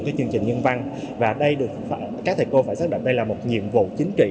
chương trình nhân văn và các thầy cô phải xác định đây là một nhiệm vụ chính trị